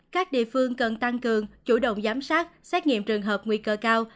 các địa phương cần tăng cường chủ động giám sát xét nghiệm trường hợp nguy cơ cao